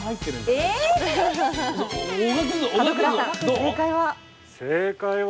正解は。